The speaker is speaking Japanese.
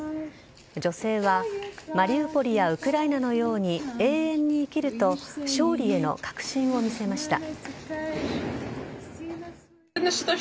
女性はマリウポリやウクライナのように永遠に生きると勝利への確信を見せました。